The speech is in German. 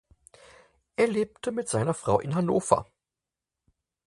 Er lebte mit seiner Frau in Hannover.